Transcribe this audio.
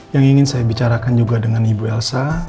yang ingin saya bicarakan juga dengan ibu elsa